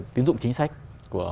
tiến dụng chính sách của